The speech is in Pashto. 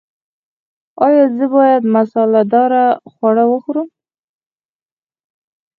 ایا زه باید مساله دار خواړه وخورم؟